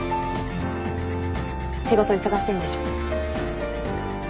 仕事忙しいんでしょ。